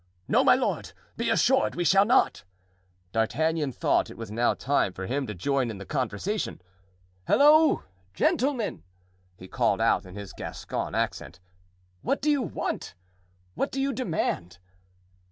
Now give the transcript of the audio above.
"No, my lord; be assured we shall not." D'Artagnan thought it was now time for him to join in the conversation. "Halloo, gentlemen!" he called out in his Gascon accent, "what do you want? what do you demand?"